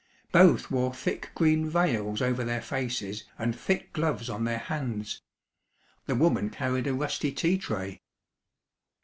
Both wore thick green veils over their faces and thick gloves on their hands. The woman carried a rusty tea tray.